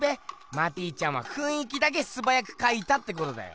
マティちゃんは「ふんい気」だけすばやく描いたってことだよ！